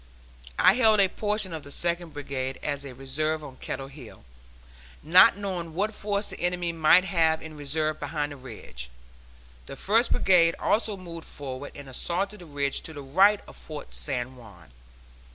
I held a portion of the Second Brigade as a reserve on Kettle Hill, not knowing what force the enemy might have in reserve behind the ridge. The First Brigade also moved forward and assaulted the ridge to the right of Fort San Juan.